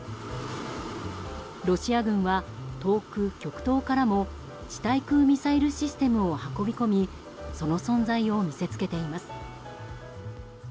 ロシア軍は遠く極東からも地対空ミサイルシステムを運び込みその存在を見せつけています。